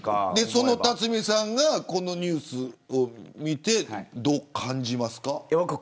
その辰巳さんがこのニュースを見てどう感じますか。